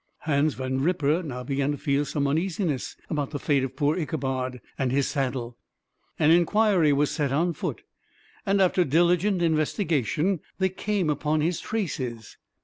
Hans Van Ripper now began to feel some uneasiness about the fate of poor Ichabod, and his saddle. An inquiry was set on foot, and after diligent investigation they came upon his traces.